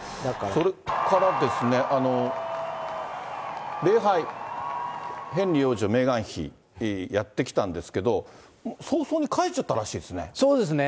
それから礼拝、ヘンリー王子とメーガン妃、やって来たんですけど、早々に帰っちゃったらしいんですね。